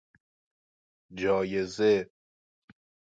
جایزه